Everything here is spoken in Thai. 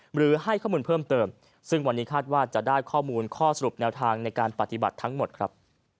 หรือให้ข้อมูลเพิ่มเติมซึ่งวันนี้คาดว่าจะได้ข้อมูลข้อสรุปแนวทางในการปฏิบัติทั้งหมดครับ